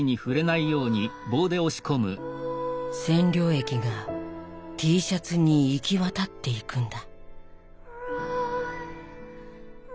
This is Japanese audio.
染料液がＴシャツに行き渡っていくんだ。